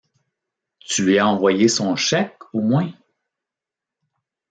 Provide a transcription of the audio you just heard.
Tu lui as envoyé son chèque, au moins ?